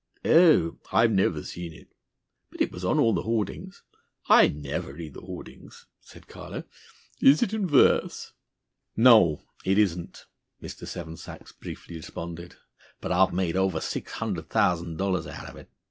'" "Oh! I've never seen it." "But it was on all the hoardings!" "I never read the hoardings," said Carlo. "Is it in verse?" "No, it isn't," Mr. Seven Sachs briefly responded. "But I've made over six hundred thousand dollars out of it."